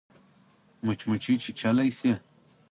مچمچۍ چیچلای شي